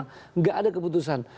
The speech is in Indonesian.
tidak ada keputusan